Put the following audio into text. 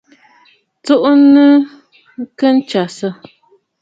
Tsùù nàa kɨ jasə.